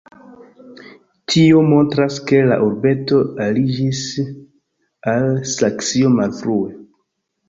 Tio montras, ke la urbeto aliĝis al Saksio malfrue.